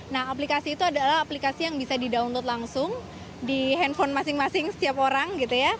nah aplikasi itu adalah aplikasi yang bisa di download langsung di handphone masing masing setiap orang gitu ya